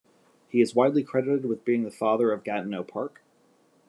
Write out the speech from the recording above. He is widely credited with being the Father of Gatineau Park.